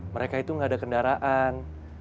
mereka itu nggak ada kendaraan